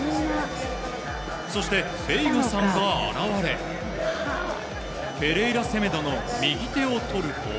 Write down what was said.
そして、ベイガさんが現れ、ペレイラセメドの右手を取ると。